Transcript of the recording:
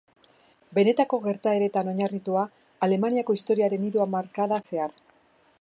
Benetako gertaeretan oinarritua, Alemaniako historiaren hiru hamarkada zehar.